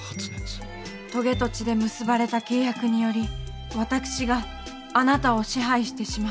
とげと血で結ばれた契約により私があなたを支配してしまう。